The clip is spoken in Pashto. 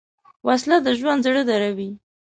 وسله د ژوند زړه دروي